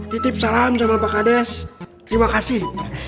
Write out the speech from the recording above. titip salam sama pak kades terima kasih